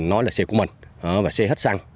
nói là xe của mình và xe hết xăng